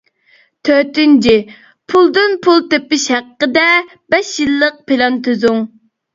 تۆتىنچى، پۇلدىن پۇل تېپىش ھەققىدە بەش يىللىق پىلان تۈزۈڭ.